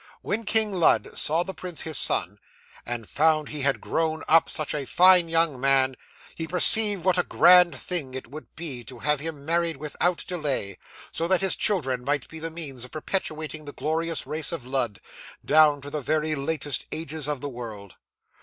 'When King Lud saw the prince his son, and found he had grown up such a fine young man, he perceived what a grand thing it would be to have him married without delay, so that his children might be the means of perpetuating the glorious race of Lud, down to the very latest ages of the world.